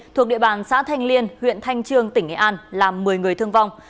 thuộc địa bàn xã thanh liên huyện thanh trương tỉnh nghệ an làm một mươi người thương vong